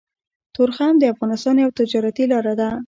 تورخم د افغانستان يوه تجارتي لاره ده